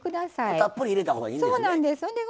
たっぷり入れた方がいいんですね。